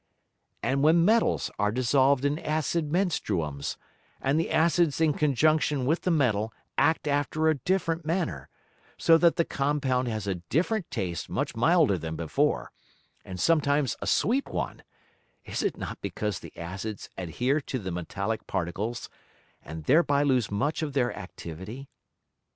And when Metals are dissolved in acid Menstruums, and the Acids in conjunction with the Metal act after a different manner, so that the Compound has a different Taste much milder than before, and sometimes a sweet one; is it not because the Acids adhere to the metallick Particles, and thereby lose much of their Activity?